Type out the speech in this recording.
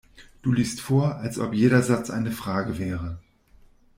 Du liest vor, als ob jeder Satz eine Frage wäre.